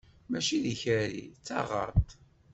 Mačči d ikerri, d taɣaṭ!